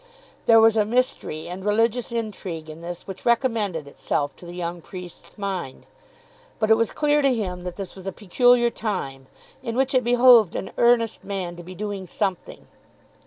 There was a mystery and religious intrigue in this which recommended itself to the young priest's mind. But it was clear to him that this was a peculiar time, in which it behoved an earnest man to be doing something.